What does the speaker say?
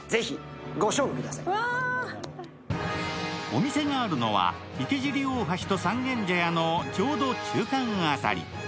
お店があるのは池尻大橋と三軒茶屋のちょうど中間辺り。